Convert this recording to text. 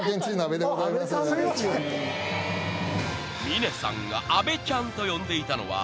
［峰さんが「アベちゃん」と呼んでいたのは］